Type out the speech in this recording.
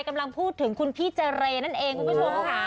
กำลังพูดถึงคุณพี่เจรนั่นเองคุณผู้ชมค่ะ